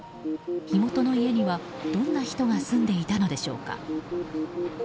火元の家には、どんな人が住んでいたのでしょうか。